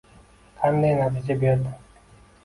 Qanday natija berdi